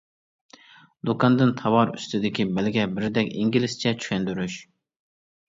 دۇكاندىن تاۋار ئۈستىدىكى بەلگە، بىردەك ئىنگلىزچە چۈشەندۈرۈش.